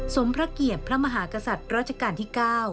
พระเกียรติพระมหากษัตริย์ราชการที่๙